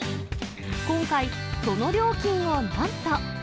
今回、その料金をなんと。